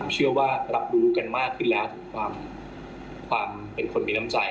เชื่อว่ารับรู้กันมากขึ้นแล้วถึงความเป็นคนมีน้ำใจ